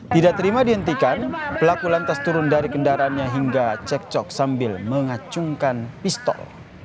tidak terima dihentikan pelaku lantas turun dari kendaraannya hingga cekcok sambil mengacungkan pistol